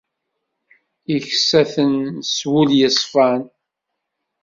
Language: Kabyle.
Iksa-ten s wul yeṣfan.